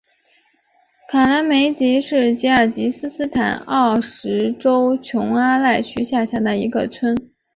卡拉梅克是吉尔吉斯斯坦奥什州琼阿赖区下辖的一个村。